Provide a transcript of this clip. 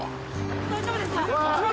・大丈夫ですか！？熱護！